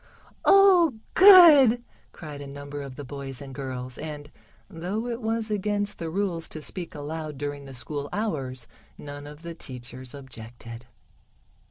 "Oh, good!" cried a number of the boys and girls, and, though it was against the rules to speak aloud during the school hours, none of the teachers objected.